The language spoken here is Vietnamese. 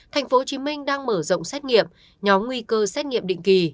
tp hcm đang mở rộng xét nghiệm nhóm nguy cơ xét nghiệm định kỳ